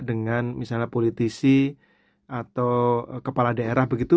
dengan misalnya politisi atau kepala daerah begitu